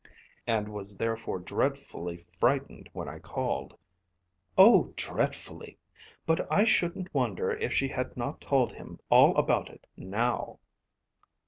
"And was therefore dreadfully frightened when I called." "Oh, dreadfully! But I shouldn't wonder if she has not told him all about it now."